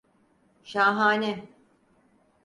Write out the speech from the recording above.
Şahane.